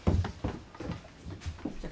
じゃあ